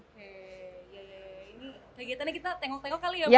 ini kegiatannya kita tengok tengok kali ya bu ya